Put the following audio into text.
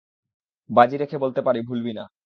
বাজি রেখে বলতে পারি ভুলবি না।